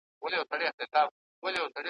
چي ناڅاپه د شاهین د منګول ښکار سو ,